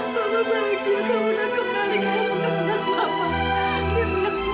maka bahagia kamu udah kembali kayak anak anak mama